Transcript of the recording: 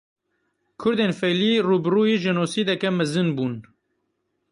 Kurdên Feylî rû bi rûyî jenosîdeke mezin bûn.